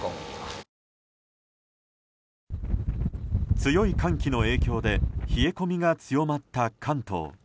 強い寒気の影響で冷え込みが強まった関東。